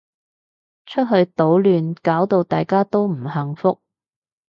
出去搗亂搞到大家都唔幸福